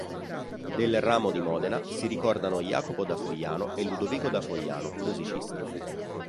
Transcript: Del ramo di Modena si ricordano Jacopo da Fogliano e Ludovico da Fogliano, musicisti.